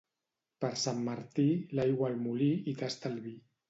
Per Sant Martí, l'aigua al molí i tasta el vi.